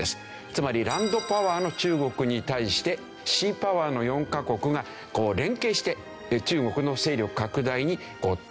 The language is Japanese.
つまりランドパワーの中国に対してシーパワーの４カ国が連携して中国の勢力拡大に対抗しようとしている。